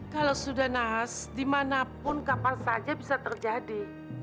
kalau sudah nas dimanapun kapan saja bisa terjadi